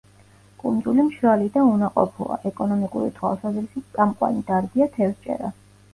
კუნძული მშრალი და უნაყოფოა; ეკონომიკური თვალსაზრისით წამყვანი დარგია თევზჭერა.